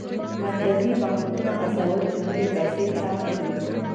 مرکزي بانکونه هڅول چې نورې پیسې چاپ کړي.